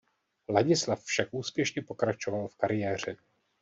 Ladislav však úspěšně pokračoval v kariéře.